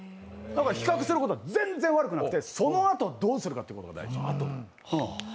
だから比較することは全然悪くなくて、そのあと、どうするかというのが大事です。